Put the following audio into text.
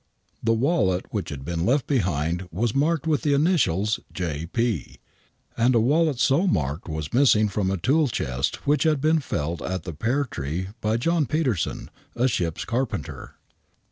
The wallet which had been left behind was marked with the initials J. P., and a wallet so marked was missing from ^ tool chest ivhich had been felt at the Pear Tree by John Petersen, a ship's carpenter.